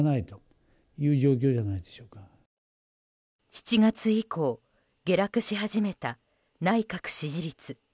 ７月以降、下落し始めた内閣支持率。